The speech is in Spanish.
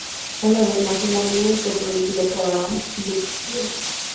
Una vez más, el álbum fue producido por Adam Dutkiewicz.